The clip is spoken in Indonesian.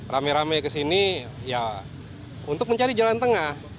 rame rame kesini ya untuk mencari jalan tengah